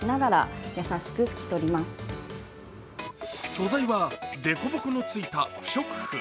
素材は凸凹のついた不織布。